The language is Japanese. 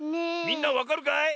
みんなわかるかい？